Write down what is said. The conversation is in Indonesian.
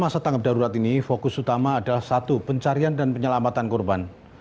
masa tanggap darurat ini fokus utama adalah satu pencarian dan penyelamatan korban